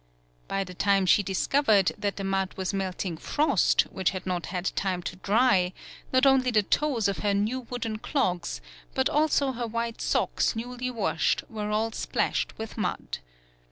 By the time she discovered 91 PAULOWNIA that the mud was melting frost, which had not had time to dry, not only the toes of her new wooden clogs, but also her white socks newly washed, were all splashed with mud.